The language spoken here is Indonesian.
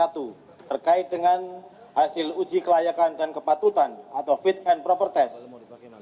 terkait dengan hasil uji kelayakan dan kepatutan atau fit and proper test